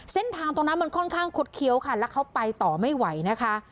เส้นทางตรงนั้นมันค่อนข้างคุดเคี้ยวค่ะแล้วเขาไปต่อไม่ไหวนะคะ